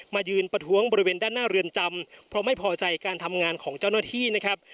ยืนประท้วงบริเวณด้านหน้าเรือนจำเพราะไม่พอใจการทำงานของเจ้าหน้าที่นะครับ